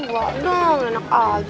waduh enak aja